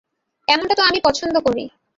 এমনটা তো আমি পছন্দ করি।